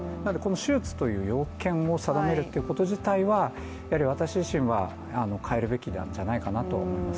手術という要件を定めること自体は私自身は変えるべきなんじゃないかなと思います。